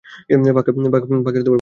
পাকা বেল গাছ থেকে ঝরে পড়ে।